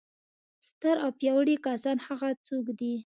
ستر او پیاوړي کسان هغه څوک دي.